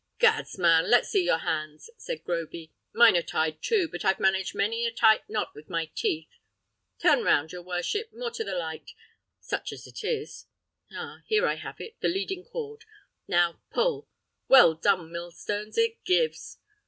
"Gads man! let's see your hands," said Groby; "mine are tied too, but I've managed many a tight knot with my teeth. Turn round, your worship, more to the light, such as it is. Ah, here I have it, the leading cord! Now pull; well done, millstones! It gives!"